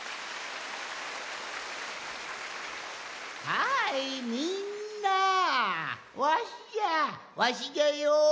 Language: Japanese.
はいみんなわしじゃわしじゃよ。